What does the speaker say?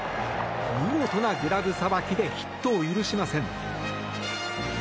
見事なグラブさばきでヒットを許しません。